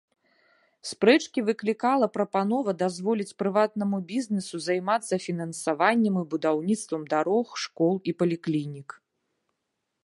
Спрэчкі выклікала прапанова дазволіць прыватнаму бізнесу займацца фінансаваннем і будаўніцтвам дарог, школ і паліклінік.